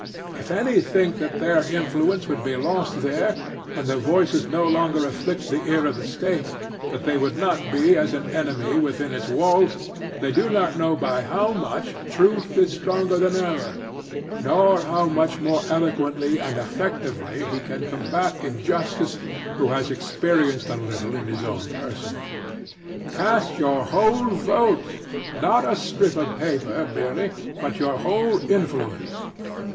If any think that their influence would be lost there, and their voices no longer afflict the ear of the State, that they would not be as an enemy within its walls, they do not know by how much truth is stronger than error, nor how much more eloquently and effectively he can combat injustice who has experienced a little in his own person. Cast your whole vote, not a strip of paper merely, but your whole influence.